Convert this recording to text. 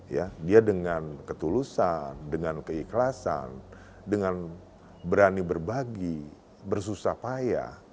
ya dia dengan ketulusan dengan keikhlasan dengan berani berbagi bersusah payah